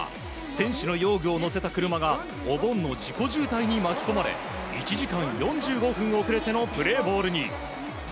選手の用具を載せた車がお盆の事故渋滞に巻き込まれ１時間４５分遅れてのプレーボールに。